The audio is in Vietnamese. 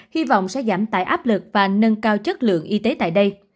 hy vọng sẽ giảm tải áp lực và nâng cao chất lượng y tế tại đây